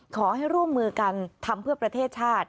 ขอให้ร่วมมือกันทำเพื่อประเทศชาติ